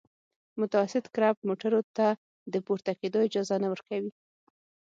متوسط کرب موټرو ته د پورته کېدو اجازه نه ورکوي